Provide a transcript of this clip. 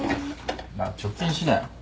なら貯金しなよ。